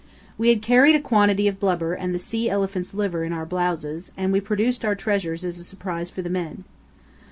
We had carried a quantity of blubber and the sea elephant's liver in our blouses, and we produced our treasures as a surprise for the men.